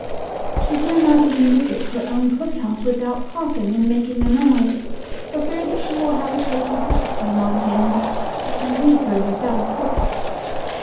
She dare not even visit her own cook house without coughing and making a noise, for fear that she will have a case of discipline on hands that may leave her without a cook.